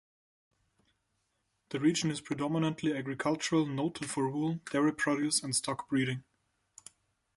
The region is predominantly agricultural, noted for wool, dairy produce and stock breeding.